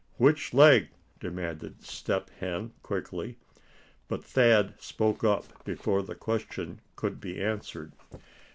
"Which leg?" demanded Step Hen, quickly; but Thad spoke up before the question could be answered.